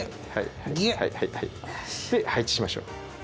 で配置しましょう。